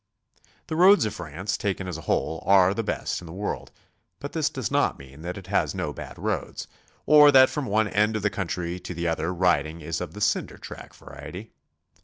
The roads of France, taken as a whole, are the best in the world, but this does not mean that it has no bad roads, or that from one end of the country to the other riding is of the cinder track variety.